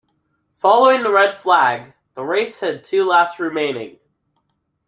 Following the red flag the race had two laps remaining.